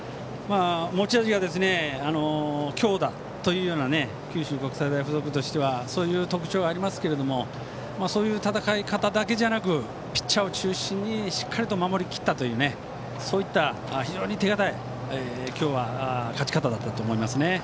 持ち味が強打というような九州国際大付属としてはそういう特徴がありますがそういう戦い方だけじゃなくピッチャーを中心にしっかり守りきったという今日はそういった、非常に手堅い勝ち方だったと思います。